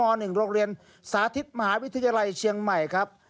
๑โรงเรียนสาธิตมหาวิทยาลัยเชียงใหม่ครับ